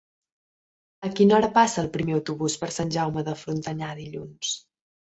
A quina hora passa el primer autobús per Sant Jaume de Frontanyà dilluns?